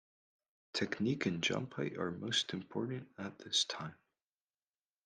Technique and jump height are most important at this time.